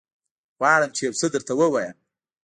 غواړم چې يوڅه درته ووايم.